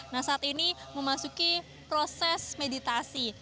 nah saat ini memasuki proses meditasi